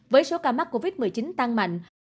với số ca mắc covid một mươi chín tăng mạnh